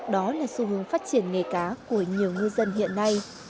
đó là xu hướng phát triển nghề cá của nhiều ngư dân hiện nay